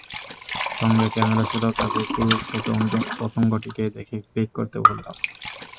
সঙ্গে ক্যামেরা ছিল, কাজেই পুরুষ পতঙ্গটিকে দেখে ক্লিক করতে ভুললাম না।